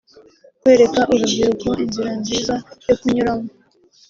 Kwereka urubyiruko inzira nziza yo kunyuramo